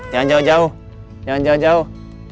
jangan jauh jauh jangan jauh jauh